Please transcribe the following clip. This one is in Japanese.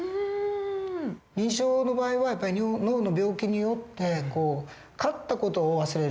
認知症の場合は脳の病気によって買った事を忘れる。